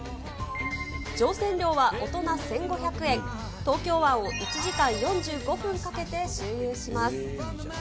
乗船料は大人１５００円、東京湾を１時間４５分かけて周遊します。